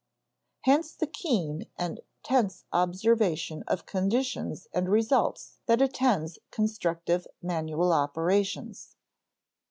Hence the keen and tense observation of conditions and results that attends constructive manual operations.